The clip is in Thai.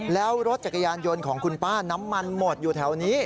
แล้วรถจักรยานยนต์ของคุณป้าน้ำมันหมดอยู่แถวนี้